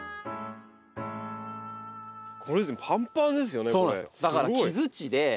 これパンパンですよねこれ。